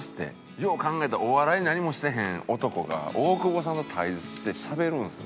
よう考えたらお笑い何もしてへん男が大久保さんと対峙してしゃべるんですよ。